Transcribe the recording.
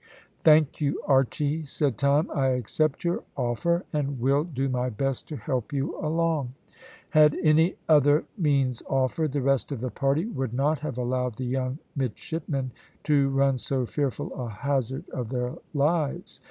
"Thank you, Archy," said Tom; "I accept your offer, and will do my best to help you along." Had any other means offered, the rest of the party would not have allowed the young midshipmen to run so fearful a hazard of their lives.